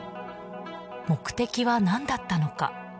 目的は何だったのか。